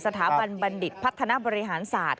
สถาบันบัณดิธิ์พัฒนาบริหารศาสตร์